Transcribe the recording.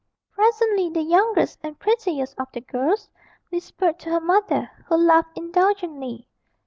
Presently the youngest and prettiest of the girls whispered to her mother, who laughed indulgently.